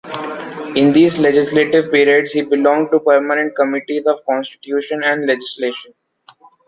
In these legislative periods, he belonged to permanent Committees of Constitution and Legislation.